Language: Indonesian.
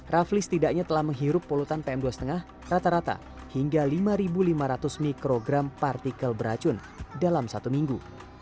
rafli setidaknya telah menghirup polutan pm dua lima rata rata hingga lima lima ratus mikrogram partikel beracun dalam satu minggu